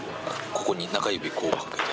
ここに中指こうかけて。